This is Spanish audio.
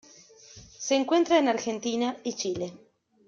Se encuentra en Argentina y Chile.